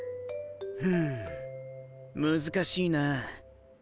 うん難しいな。